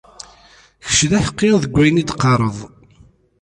Kečč d aḥeqqi deg wayen i d-teqqareḍ.